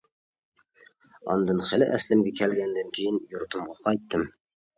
ئاندىن خىلى ئەسلىمگە كەلگەندىن كىيىن يۇرتۇمغا قايتتىم.